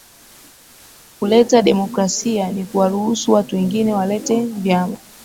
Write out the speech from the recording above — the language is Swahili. kuleta demokrasia ni kuwaruhusu watu wengine walete vyama